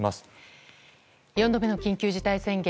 ４度目の緊急事態宣言。